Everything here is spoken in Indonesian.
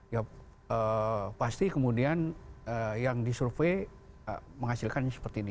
ya pasti kemudian yang disurvey menghasilkan seperti ini